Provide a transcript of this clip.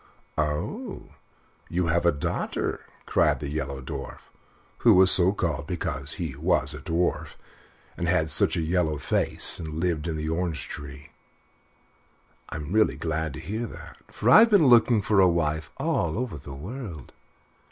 "Oh! you have a daughter," cried the Yellow Dwarf (who was so called because he was a dwarf and had such a yellow face, and lived in the orange tree). "I'm really glad to hear that, for I've been looking for a wife all over the world.